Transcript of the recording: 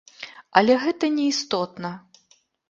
Але гэта не істотна.